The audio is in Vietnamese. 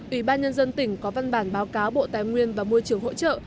ủy ban nhân dân tỉnh có văn bản báo cáo bộ tài nguyên và môi trường hỗ trợ